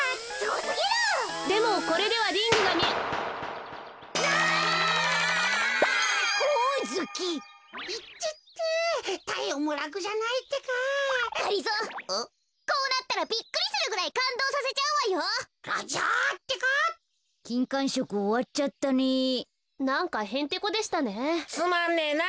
つまんねえなあ。